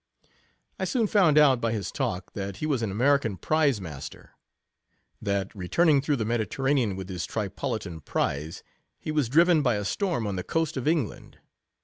I soon found out, by his talk, that he was an American prize master ; that, return ing through the Mediterranean with his Tri politan prize, he was driven by a storm on the coast of England.